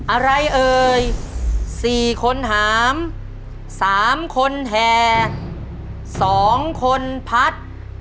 อะไรเอ่ยสี่คนหามสามคนแห่สองคนพัด